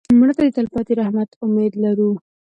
مړه ته د تلپاتې رحمت امید لرو